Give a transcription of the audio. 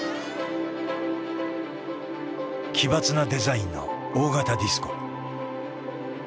奇抜なデザインの大型ディスコ。